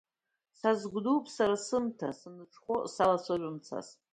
Сазыгәдууп сара сымҭа, саныҽхәо салацәажәом цас.